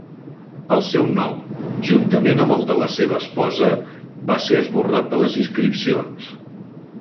El seu nom, juntament amb el de la seva esposa, va ser esborrat de les inscripcions.